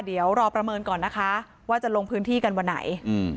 เดี๋ยวรอประเมินก่อนนะคะว่าจะลงพื้นที่กันวันไหน